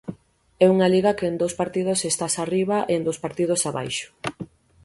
É unha Liga que en dous partidos estás arriba e en dous partidos abaixo.